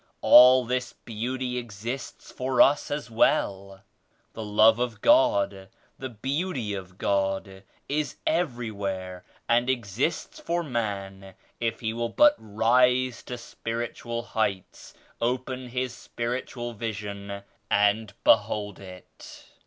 All this beauty exists for us as well. The Love of God, the Beauty of God is everjrwhere and exists for man if he will but rise to spirit ual heights, open his spiritual vision and be hold it.